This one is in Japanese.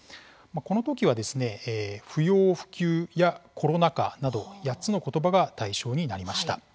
この時は不要不急やコロナ禍など８つの言葉が対象になりました。